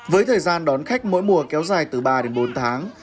với thời gian đón khách mỗi mùa kéo dài từ ba đến bốn tháng